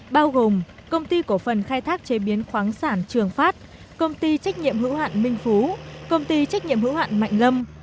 bao gồm công ty cổ phần khai thác chế biến khoáng sản trường phát công ty trách nhiệm hữu hạn minh phú công ty trách nhiệm hữu hạn mạnh lâm